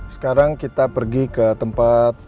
sekarang kita pergi ke tempat